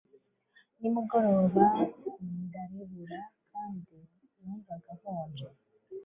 nimugoroba ndaribura kandi numvaga nkonje